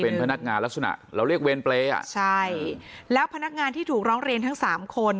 เป็นพนักงานลักษณะเราเรียกเวรเปรย์อ่ะใช่แล้วพนักงานที่ถูกร้องเรียนทั้งสามคน